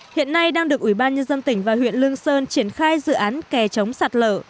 hiện nay đang được ủy ban nhân dân tỉnh và huyện lương sơn triển khai dự án kè chống sạt lở